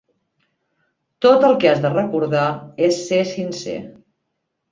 Tot el que has de recordar és ser sincer.